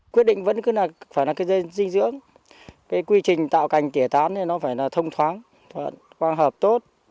quyết định vẫn cứ là phải là cái dây dinh dưỡng cái quy trình tạo cành kẻ tán thì nó phải là thông thoáng khoang hợp tốt